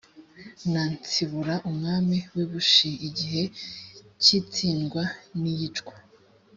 na nsibura umwami w u bushi igihe k itsindwa n iyicwa